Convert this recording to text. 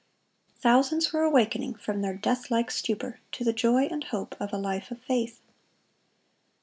Thousands were awakening from their deathlike stupor to the joy and hope of a life of faith.